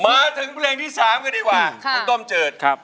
มาถึงเพลงที่สามกันดีกว่า